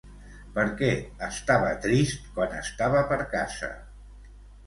Per què estava trist quan estava per casa?